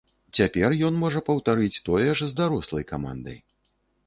Цяпер ён можа паўтарыць тое ж з дарослай камандай.